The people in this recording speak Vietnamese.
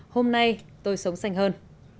hôm nay tôi sống xanh hơn